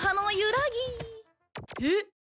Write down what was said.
えっ！？